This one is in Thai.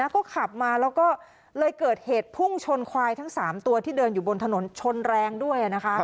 ก็ขับมาแล้วก็เลยเกิดเหตุพุ่งชนควายทั้ง๓ตัวที่เดินอยู่บนถนนชนแรงด้วย